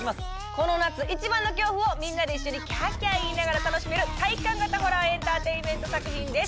この夏一番の恐怖をみんなで一緒にキャーキャー言いながら楽しめる体感型ホラーエンターテインメント作品です